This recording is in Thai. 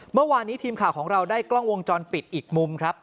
เมื่อวานนี้ทีมข่าวของเราได้กล้องวงจรปิดอีกมุมครับ